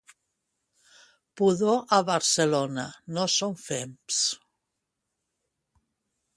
Pudor a Barcelona, no són fems